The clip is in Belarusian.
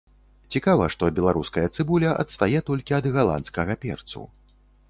Цікава, што беларуская цыбуля адстае толькі ад галандскага перцу.